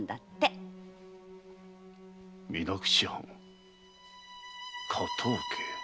水口藩加藤家。